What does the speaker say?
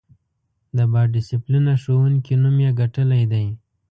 د با ډسیپلینه ښوونکی نوم یې ګټلی دی.